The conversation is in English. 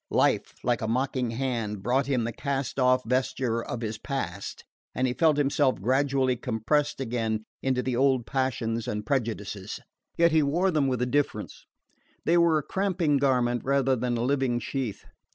Life, with a mocking hand, brought him the cast off vesture of his past, and he felt himself gradually compressed again into the old passions and prejudices. Yet he wore them with a difference they were a cramping garment rather than a living sheath.